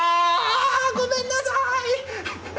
ごめんなさい！